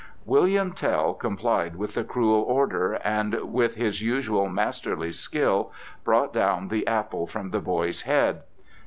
William Tell complied with the cruel order, and with his usual masterly skill brought down the apple from the boy's head.